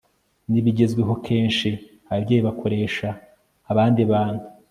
nibigezweho Kenshi ababyeyi bakoresha abandi bantu